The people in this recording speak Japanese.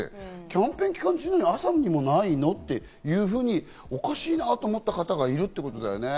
キャンペーン期間中に朝もないの？っていうふうに、おかしいなぁと思った方がいるってことだね。